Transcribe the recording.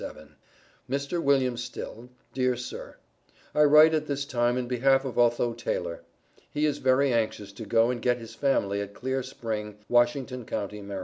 MR. WM. STILL: Dear Sir I write at this time in behalf of Otho Taylor. He is very anxious to go and get his family at Clear Spring, Washington county, Md.